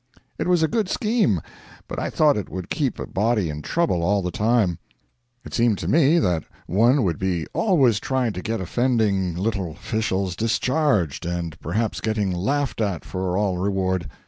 It was a good scheme, but I thought it would keep a body in trouble all the time; it seemed to me that one would be always trying to get offending little officials discharged, and perhaps getting laughed at for all reward.